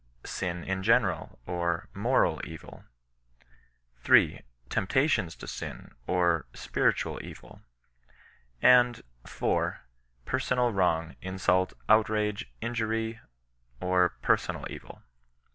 Sin in general, or moral eoil. 3. Temp tations to sin, or spirittud evil; and 4. Personal, wrong, insult, outrage, injury, or personal evil.